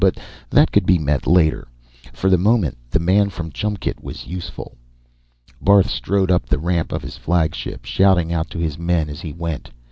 But that could be met later. For the moment, the man from Chumkt was useful. Barth strode up the ramp of his flagship, shouting out to his men as he went.